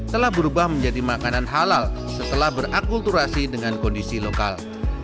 telah berubah menjadi makanan halal setelah berakulturasi dengan kondisi lokal